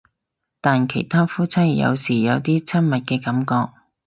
但其他夫妻有時有啲親密嘅感覺